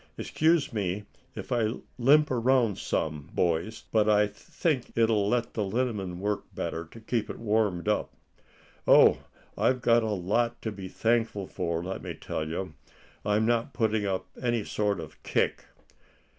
"Excuse me if I limp around some, boys, but I think it'll let the liniment work in better, to keep it warmed up. Oh! I've a lot to be thankful for, let me tell you. I'm not putting up any sort of kick."